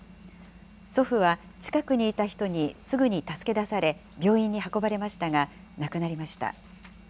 祖父は、近くにいた人にすぐに助け出され、病院に運ばれましたが、亡くなりました。